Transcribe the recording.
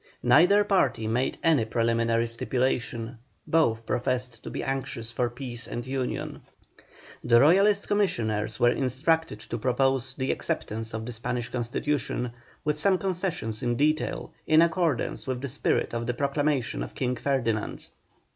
Neither party made any preliminary stipulation, both professed to be anxious for peace and union. The Royalist Commissioners were instructed to propose the acceptance of the Spanish Constitution, with some concessions in detail, in accordance with the spirit of the proclamation of King Ferdinand.